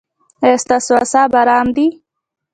ایا ستاسو اعصاب ارام دي؟